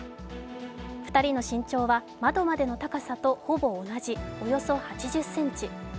２人の身長は窓までの高さとほぼ同じ、およそ８０ｃｍ。